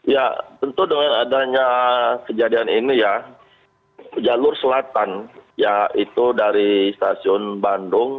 ya tentu dengan adanya kejadian ini ya jalur selatan ya itu dari stasiun bandung